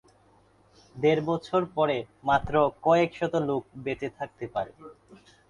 দেড় বছর পরে মাত্র কয়েক শত লোক বেঁচে থাকতে পারে।